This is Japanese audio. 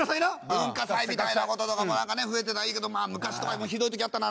文化祭みたいな事とかも増えていったらいいけどまあ昔とかひどい時あったな。